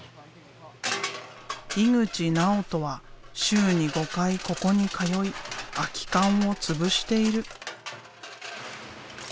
井口直人は週に５回ここに通い空き缶をつぶしている。